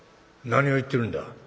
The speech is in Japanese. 「何を言ってるんだ？」。